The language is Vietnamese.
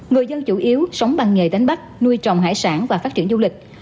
người dân chủ yếu sống bằng nghề đánh bắt nuôi trồng hải sản và phát triển du lịch